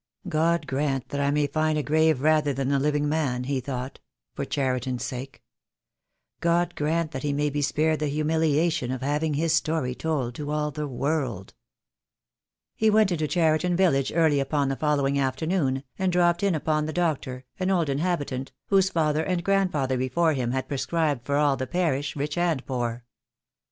"God grant that I may find a grave rather than the living man," he thought, " for Cheriton's sake. God grant 172 THE DAY WILL COME. that he may be spared the humiliation of having his story told to all the world." He went into Cheriton village early upon the follow ing afternoon, and dropped in upon the doctor, an old inhabitant, whose father and grandfather before him had prescribed for all the parish, rich and poor.